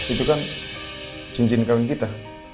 itu kan cincin kawin kita